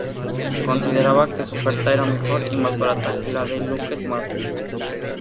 Consideraba que su oferta era mejor y más barata que la de Lockheed Martin.